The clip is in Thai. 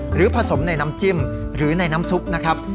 หรือผสมในน้ำจิ้มหรือในน้ำซุปนะครับ